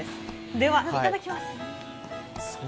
では、いただきます。